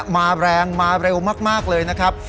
มาแรงมาเร็วมากเลยนะครับ